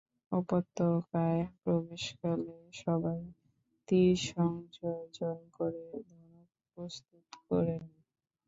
উপত্যকায় প্রবেশকালে সবাই তীর সংযোজন করে ধনুক প্রস্তুত করে নেয়।